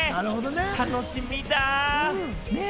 楽しみだぁ！